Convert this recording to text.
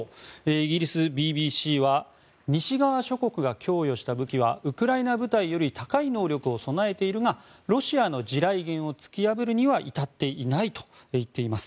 イギリスＢＢＣは西側諸国が供与した武器はウクライナ部隊より高い能力を備えているがロシアの地雷原を突き破るには至っていないと言っています。